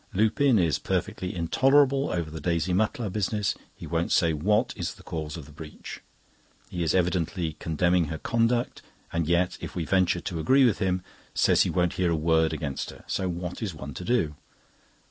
Lupin is perfectly intolerable over the Daisy Mutlar business. He won't say what is the cause of the breach. He is evidently condemning her conduct, and yet, if we venture to agree with him, says he won't hear a word against her. So what is one to do?